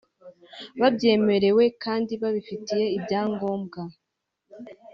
babyemerewe kandi babifitiye ibyangombwa